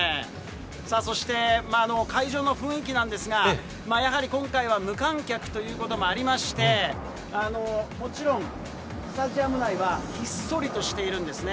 そして会場の雰囲気なんですが、やはり今回は無観客ということもありまして、もちろんスタジアム内はひっそりとしているんですね。